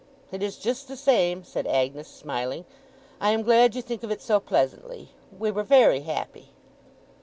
'It is just the same,' said Agnes, smiling. 'I am glad you think of it so pleasantly. We were very happy.